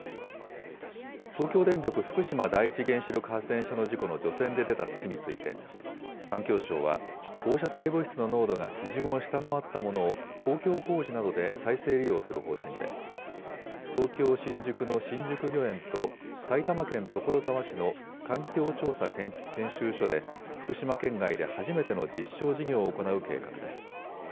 東京電力福島第一原子力発電所の事故の除染で出た土について、環境省は放射性物質の濃度が基準を下回ったものを、公共工事などで再生利用する方針で、東京・新宿の新宿御苑と埼玉県所沢市の環境調査研修所で、福島県外で初めての実証事業を行う計画です。